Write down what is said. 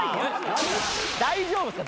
大丈夫ですか？